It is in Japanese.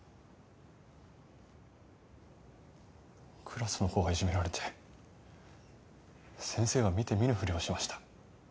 クラスの子がいじめられて先生は見て見ぬふりをしました。